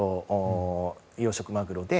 養殖マグロで。